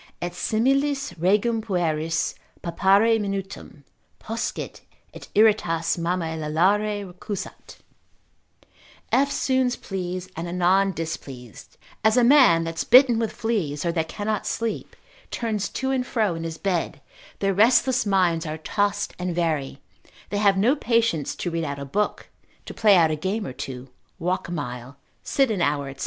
Et similis regum pueris, pappare minutum Poscit, et iratus mammae lallare recusat, eftsoons pleased, and anon displeased, as a man that's bitten with fleas, or that cannot sleep turns to and fro in his bed, their restless minds are tossed and vary, they have no patience to read out a book, to play out a game or two, walk a mile, sit an hour, &c.